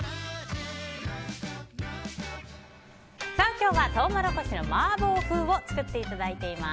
今日はトウモロコシの麻婆風を作っていただいています。